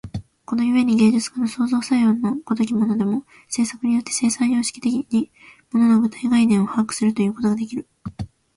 この故に芸術家の創造作用の如きものでも、制作によって生産様式的に物の具体概念を把握するということができる。